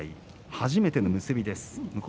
初めての結びです。